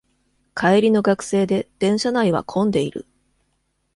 帰りの学生で電車内は混んでいる